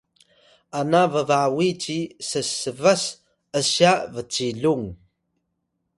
ana bbawi ci ssbas ’sya bcilung